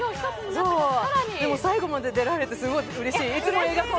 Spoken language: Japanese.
でも最後まで出られて、すごいうれしい。